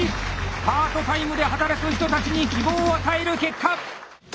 パートタイムで働く人たちに希望を与える結果！